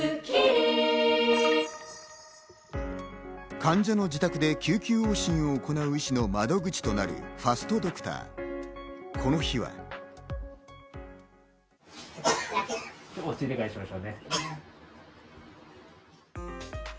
患者の自宅で救急往診を行う医師の窓口となるファストドクター。